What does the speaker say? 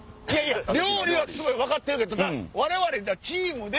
料理はすごいの分かってるけど我々チームで。